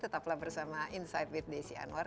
tetaplah bersama insight with desi anwar